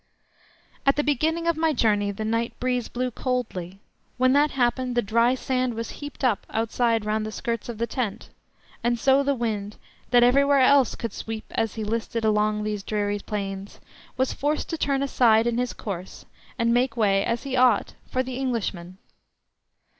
At the beginning of my journey the night breeze blew coldly; when that happened, the dry sand was heaped up outside round the skirts of the tent, and so the wind, that everywhere else could sweep as he listed along those dreary plains, was forced to turn aside in his course and make way, as he ought, for the Englishman.